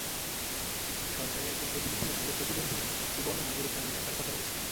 সরকারের একজন প্রতিনিধি আমাদের প্রতিবন্ধী নয়, সুবর্ণ নাগরিক নামে ডাকার কথা বলেছিলেন।